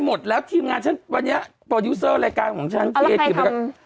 มันแจกแตกกับส่งเดิม